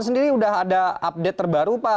sendiri sudah ada update terbaru pak